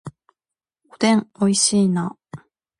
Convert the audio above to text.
おでん美味しいな